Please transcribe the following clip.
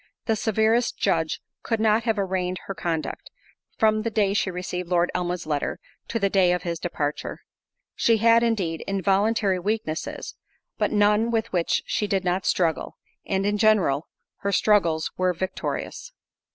The severest judge could not have arraigned her conduct, from the day she received Lord Elmwood's letter, to the day of his departure. She had, indeed, involuntary weaknesses, but none with which she did not struggle, and, in general, her struggles were victorious.